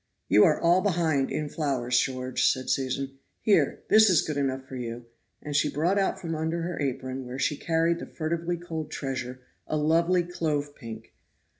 "You are all behind in flowers, George," said Susan; "here, this is good enough for you," and she brought out from under her apron, where she had carried the furtively culled treasure, a lovely clove pink.